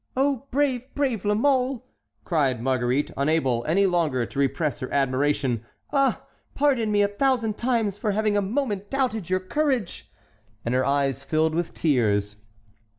"Oh, brave, brave La Mole!" cried Marguerite, unable any longer to repress her admiration. "Ah! pardon me a thousand times for having a moment doubted your courage." And her eyes filled with tears.